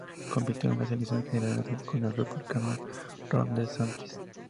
Compitió en las elecciones generales con el republicano Ron DeSantis.